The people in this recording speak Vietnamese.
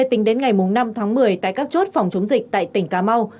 tính đến ngày năm tháng một mươi tại các chốt phòng chống dịch tại tỉnh cà mau